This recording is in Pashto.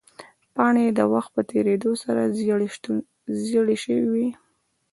پاڼې یې د وخت په تېرېدو سره زیړې شوې وې.